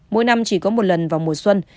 mỗi năm chỉ có một lần vào mùa xuân